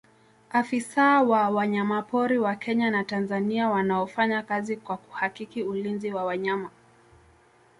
afisa wa wanyamapori wa kenya na tanzania wanaofanya kazi kwa kuhakiki ulinzi wa wanyama